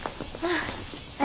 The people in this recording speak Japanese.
ああ。